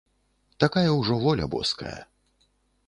Такая ўжо воля боская.